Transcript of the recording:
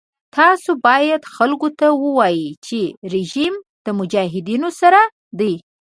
تاسو باید خلکو ته ووایئ چې رژیم مجاهدینو سره دی.